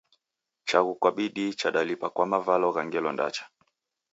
Chaghu kwa bidii chadalipa kwa mavalo gha ngelo ndacha.